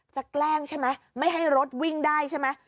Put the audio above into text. แกล้งใช่ไหมไม่ให้รถวิ่งได้ใช่ไหม